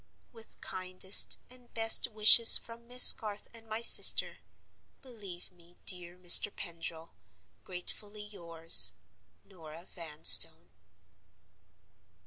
"With kindest and best wishes from Miss Garth and my sister, believe me, dear Mr. Pendril, gratefully yours, "NORAH VANSTONE."